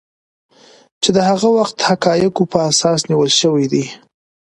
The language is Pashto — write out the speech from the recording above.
چې د هغه وخت حقایقو په اساس نیول شوي دي